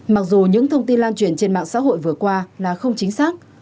mặc dù những thông tin lan truyền trên mạng xã hội vừa qua là không chính xác